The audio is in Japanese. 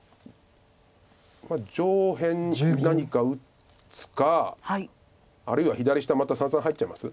上辺何か打つかあるいは左下また三々入っちゃいます？